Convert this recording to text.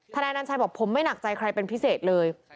นายอนัญชัยบอกผมไม่หนักใจใครเป็นพิเศษเลย